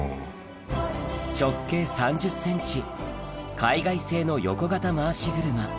直径３０ｃｍ海外製の横型回し車